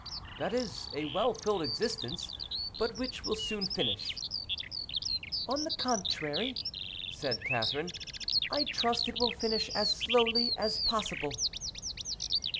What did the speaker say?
"That is a well filled existence, but which will soon finish." "On the contrary," said Catherine, "I trust it will finish as slowly as possible."